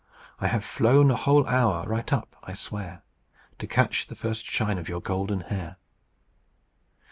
I have flown a whole hour, right up, I swear, To catch the first shine of your golden hair!'